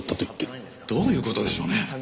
どういう事でしょうね？